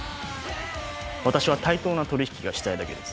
私は対等な取り引きがしたいだけです。